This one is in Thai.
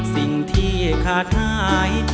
สิ่งที่ขาดหาย